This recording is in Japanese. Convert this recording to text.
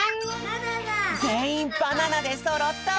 ぜんいんバナナでそろった！